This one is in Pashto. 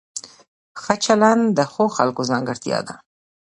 ښه چلند د ښو خلکو ځانګړتیا ده.